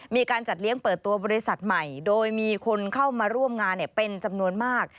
มีการจัดเลี้ยงเปิดตัวบริษัทใหม่โดยมีคนเข้ามาร่วมงานเป็นจำนวนมาก